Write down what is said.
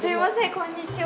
こんにちは。